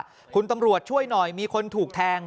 เจอกลับช่วยหน่อยมีคนถูกแทง